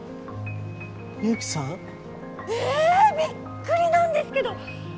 ミユキさん？えびっくりなんですけど。